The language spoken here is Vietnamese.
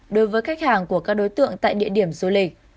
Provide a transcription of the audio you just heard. đối với khách hàng của các đối tượng tại địa điểm du lịch